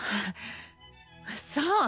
そう！